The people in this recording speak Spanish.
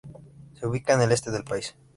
Se ubica en el este del país.